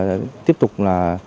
và tiếp tục là